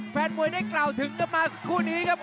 แฟนมวยได้กล่าวถึงกันมาคู่นี้ครับ